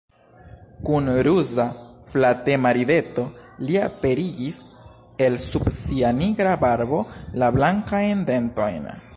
Kun ruza, flatema rideto li aperigis el sub sia nigra barbo la blankajn dentojn.